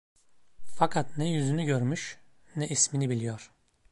Fakat ne yüzünü görmüş, ne ismini biliyor.